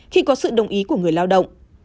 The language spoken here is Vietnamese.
khi có sự đồng ý của người lao động